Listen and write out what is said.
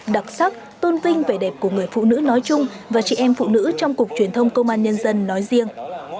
đặc sắc tôn vinh vẻ đẹp của người phụ nữ nói chung và chị em phụ nữ trong cục truyền thông công an nhân dân nói riêng